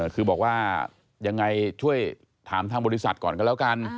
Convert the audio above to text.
คือบอกว่ายังไงช่วยถามทางบริษัทก่อนก็แล้วกัน